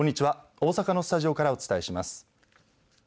大阪のスタジオからお伝えします。